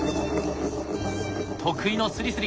得意のスリスリ！